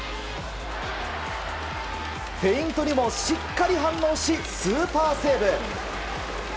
フェイントにもしっかり反応しスーパーセーブ。